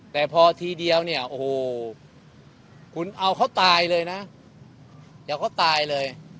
แต่พอทีเดียวเนี่ยโอ้โหคุณเอาเขาตายเลยนะเดี๋ยวเขาตายเลย